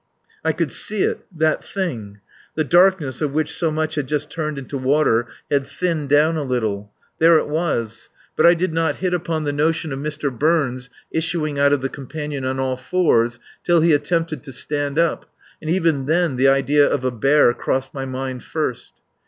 I could see It that Thing! The darkness, of which so much had just turned into water, had thinned down a little. There It was! But I did not hit upon the notion of Mr. Burns issuing out of the companion on all fours till he attempted to stand up, and even then the idea of a bear crossed my mind first.